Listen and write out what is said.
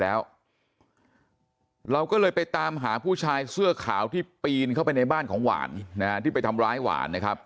แล้วเราก็เลยไปตามหาผู้ชายเสื้อขาวที่ปีนเข้าไปในบ้านของหวานนะฮะที่ไปทำร้ายหวานนะครับ